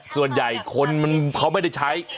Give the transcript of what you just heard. ส่วนใหญ่คนเขาไม่ได้ใช้